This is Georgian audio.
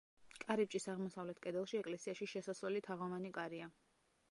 კარიბჭის აღმოსავლეთ კედელში ეკლესიაში შესასვლელი თაღოვანი კარია.